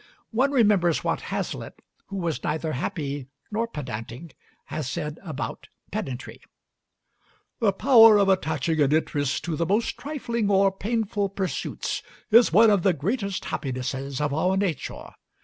One remembers what Hazlitt, who was neither happy nor pedantic, has said about pedantry: "The power of attaching an interest to the most trifling or painful pursuits is one of the greatest happinesses of our nature.